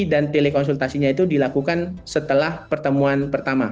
dan telekonsultasinya itu dilakukan setelah pertemuan pertama